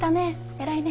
偉いね。